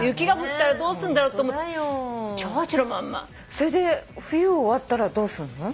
それで冬終わったらどうすんの？